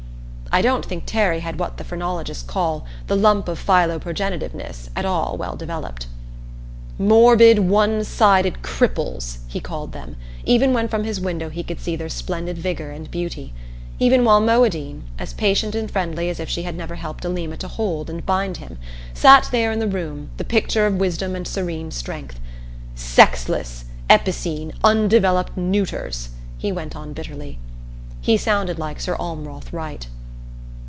I don't think Terry had what the phrenologists call "the lump of philoprogenitiveness" at all well developed. "Morbid one sided cripples," he called them, even when from his window he could see their splendid vigor and beauty; even while Moadine, as patient and friendly as if she had never helped Alima to hold and bind him, sat there in the room, the picture of wisdom and serene strength. "Sexless, epicene, undeveloped neuters!" he went on bitterly. He sounded like Sir Almwroth Wright.